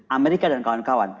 amerika dan kawan kawan